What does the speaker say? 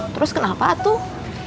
terus kenapa tuh